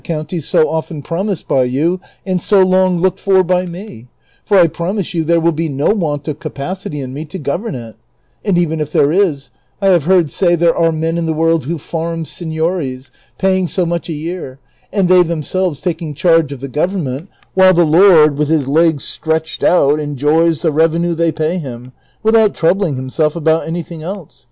county so often promised by you and so long looked for by me, for I promise you there will be no want of capacity in me to govern it ; and even if there is, I have heard say there are men in the world who farm seigniories, paying so much a year, and they themselves taking charge of the government, while the lord, with his legs stretched out, enjoys the revenue they pay him, without troubling himself about anything else.